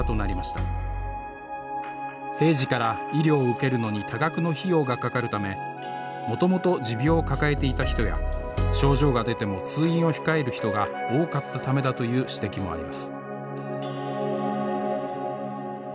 平時から医療を受けるのに多額の費用がかかるためもともと持病を抱えていた人や症状が出ても通院を控える人が多かったためだという指摘もあります。